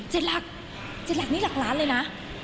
๗หลักนี่หลักล้านเลยนะ